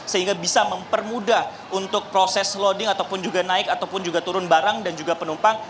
sehingga bisa mempermudah untuk proses loading ataupun juga naik ataupun juga turun barang dan juga penumpang